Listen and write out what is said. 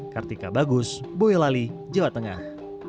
kartika bagus boyo lali jawa tengah